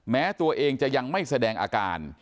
แม้ตัวเองจะยังไม่แสดงอาการ